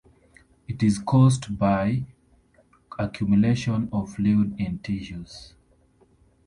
It is caused by accumulation of fluid in tissues.